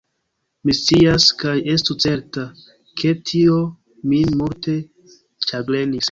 Mi scias: kaj estu certa, ke tio min multe ĉagrenis.